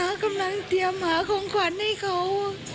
กำลังเตรียมหาของขวัญให้เขา